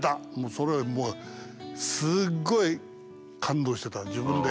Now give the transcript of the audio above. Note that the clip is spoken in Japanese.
それもうすっごい感動してたの自分で。